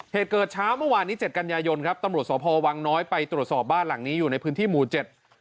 เหตุเกิดเช้าเมื่อวานนี้เจ็ดกันยายนครับตำรวจสพวังน้อยไปตรวจสอบบ้านหลังนี้อยู่ในพื้นที่หมู่เจ็ด